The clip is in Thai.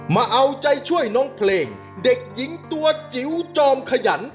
มาเอาใจช่วยน้องเพลงเด็กหญิงตัวจิ๋วจอมขยัน